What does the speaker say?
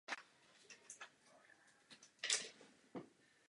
V něm sídlil obecní úřad a knihovna.